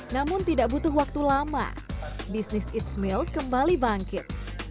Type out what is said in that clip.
namun tidak butuh waktu lama bisnis it's milk kembali bangkit